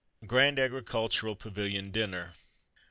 GRAND AGRICULTURAL PAVILION DINNER.